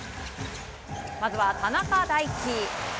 まずは、田中大貴。